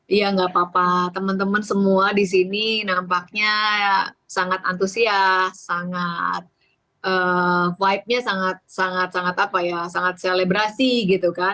iya nggak apa apa teman teman semua di sini nampaknya sangat antusias sangat vibe nya sangat sangat apa ya sangat selebrasi gitu kan